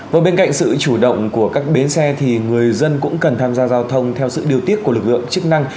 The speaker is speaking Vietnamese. và bên cạnh sự chủ động của các bến xe thì người dân cũng cần tham gia giao thông theo sự điều tiết của lực lượng chức năng